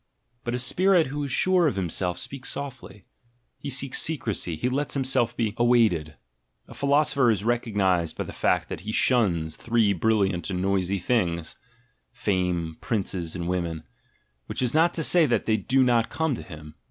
But a spirit who is sure of himself speaks softly; he seeks secrecy, he lets himself be awaited. A philosopher is recognised by the fact that he shuns three brilliant and noisy things — ii2 THE GENEALOGY OF MORALS fame, princes, and women: which is not to say that they do not come to him.